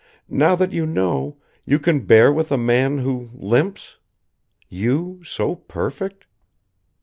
Now that you know, can you bear with a man who limps? You, so perfect?"